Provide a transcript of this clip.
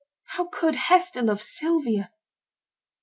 How could Hester love Sylvia?